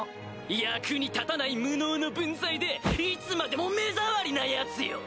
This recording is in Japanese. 役に立たない無能の分際でいつまでも目障りなヤツよ。